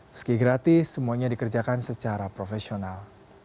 meski gratis semuanya dikerjakan secara profesional